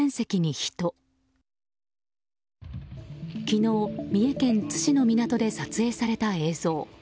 昨日、三重県津市の港で撮影された映像。